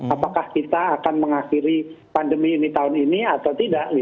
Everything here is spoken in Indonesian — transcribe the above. apakah kita akan mengakhiri pandemi ini tahun ini atau tidak